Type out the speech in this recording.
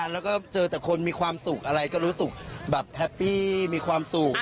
แล้วก็เจอแต่คนมีความสุขอะไรก็รู้สึกแบบแฮปปี้มีความสุข